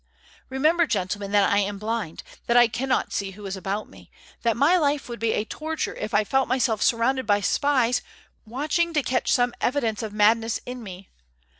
Remember, gentlemen, that I am blind; that I cannot see who is about me; that my life would be a torture if I felt myself surrounded by spies watching to catch some evidence of madness in me.